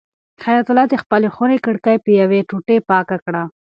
حیات الله د خپلې خونې کړکۍ په یوې ټوټې پاکه کړه.